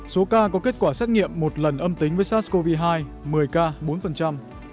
số ca có kết quả xét nghiệm một lần âm tính với sars cov hai một mươi ca bốn